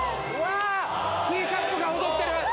ティーカップが踊ってる！